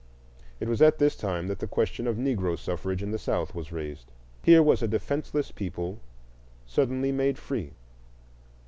It was at this time that the question of Negro suffrage in the South was raised. Here was a defenceless people suddenly made free.